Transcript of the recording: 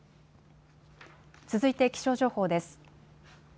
続いて気象情報です。